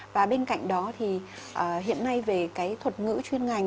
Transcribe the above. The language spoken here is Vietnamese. và bên cạnh đó thì hiện nay về cái thuật ngữ chuyên ngành